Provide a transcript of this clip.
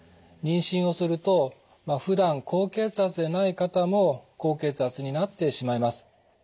妊娠をするとふだん高血圧でない方も高血圧になってしまいます。